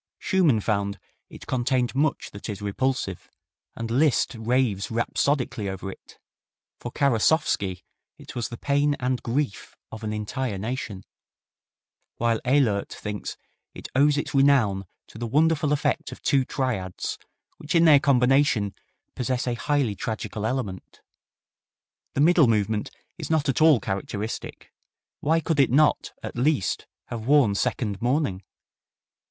Schumann found "it contained much that is repulsive," and Liszt raves rhapsodically over it; for Karasowski it was the "pain and grief of an entire nation," while Ehlert thinks "it owes its renown to the wonderful effect of two triads, which in their combination possess a highly tragical element. The middle movement is not at all characteristic. Why could it not at least have worn second mourning?